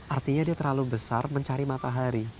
artinya dia terlalu besar mencari matahari